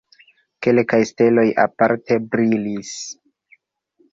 Kelkaj steloj aparte brilis.